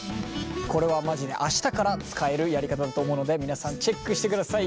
これはまじで明日から使えるやり方だと思うので皆さんチェックしてください。